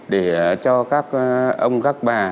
để cho các ông các bà